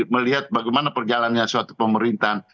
melihat bagaimana perjalannya suatu pemerintahan